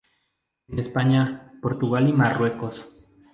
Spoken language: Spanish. En España, Portugal, y Marruecos.